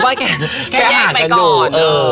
แค่ห่างกันอยู่